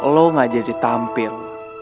lo gak jadi tampil